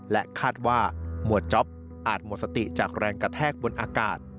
และคาดว่าหมวดจ๊อปอาจหมดสติจากแรงกระแทกบนอากาศ